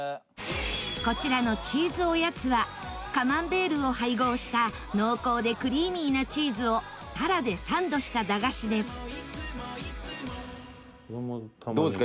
こちらのチーズおやつはカマンベールを配合した濃厚でクリーミーなチーズをタラでサンドした駄菓子ですどうですか？